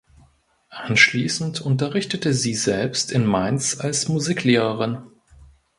Anschließend unterrichtete sie selbst in Mainz als Musiklehrerin.